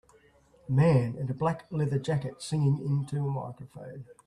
A man in a black leather jacket singing in to a microphone.